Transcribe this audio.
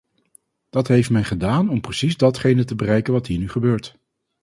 Dat heeft men gedaan om precies datgene te bereiken wat hier nu gebeurt.